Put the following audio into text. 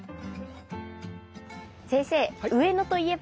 先生上野といえば。